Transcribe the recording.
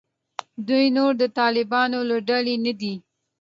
دوی نور د طالبانو له ډلې نه دي.